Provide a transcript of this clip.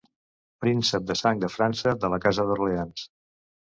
Príncep de sang de França de la casa d'Orleans.